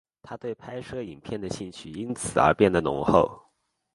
他对拍摄影片的兴趣因此而变得浓厚。